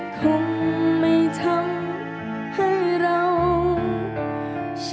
อาจจะเป็นคนนี้ที่ใจจะไม่โหดร้ายเกินไป